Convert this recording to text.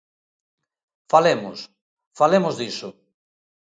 Falemos, falemos diso.